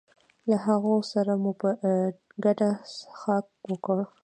له هغو سره مو په ګډه څښاک وکړ.